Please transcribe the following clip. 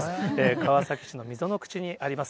川崎市のみぞのくちにあります。